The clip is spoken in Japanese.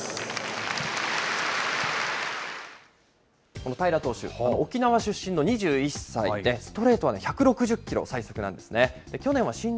この平良投手、沖縄出身の２１歳で、ストレートは１６０キロ、最速なんですね。